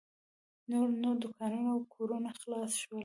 نور نو دوکانونه او کورونه خلاص شول.